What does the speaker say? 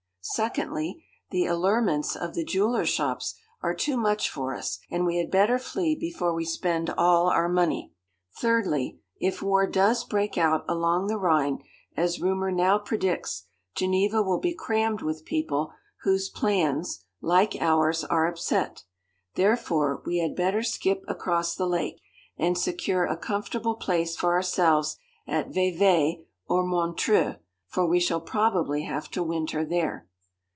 Secondly, the allurements of the jewellers' shops are too much for us, and we had better flee before we spend all our money. Thirdly, if war does break out along the Rhine, as rumour now predicts, Geneva will be crammed with people whose plans, like ours, are upset; therefore we had better skip across the lake, and secure a comfortable place for ourselves at Vevey or Montreaux, for we shall probably have to winter there.'